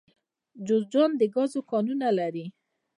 جوزجان د ګازو کانونه لري